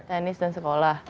tenis dan sekolah